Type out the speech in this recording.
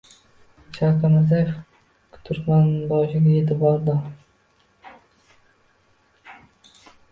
Shavkat Mirziyoyev Turkmanboshiga yetib bordi